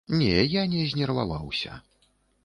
Не, я не знерваваўся.